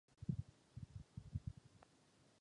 Teče směrem severozápadním.